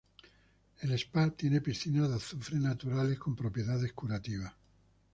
El spa tiene piscinas de azufre naturales con propiedades curativas.